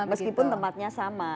meskipun tempatnya sama